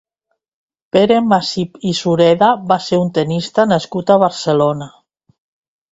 Pere Masip i Sureda va ser un tennista nascut a Barcelona.